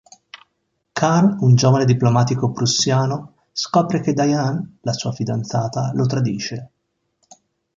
Karl, un giovane diplomatico prussiano, scopre che Diane, la sua fidanzata, lo tradisce.